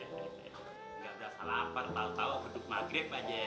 gak berasa lapar tau tau gedug maghrib aja